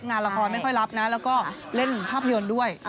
งานละครไม่ค่อยรับนะแล้วก็เล่นภาพยนตร์ด้วย